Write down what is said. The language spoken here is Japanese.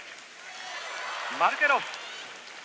マルケロフ！